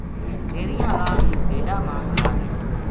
سیریاں ہالا بیلا ما جا رہیا